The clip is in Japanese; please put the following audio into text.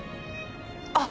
あっ！